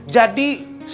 jadi saya akan menjaga